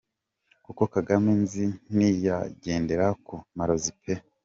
kuko ,Kagame nzi ntiyagendera ku marozi peeee